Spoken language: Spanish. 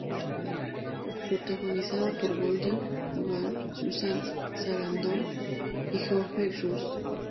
Protagonizada por Goldie Hawn, Susan Sarandon y Geoffrey Rush.